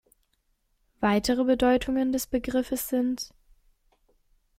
Weitere Bedeutungen des Begriffes sind